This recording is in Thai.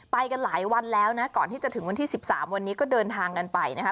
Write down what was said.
ไปกันหลายวันแล้วนะก่อนที่จะถึงวันที่๑๓วันนี้ก็เดินทางกันไปนะคะ